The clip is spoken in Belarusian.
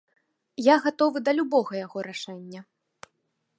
Я гатовы да любога яго рашэння.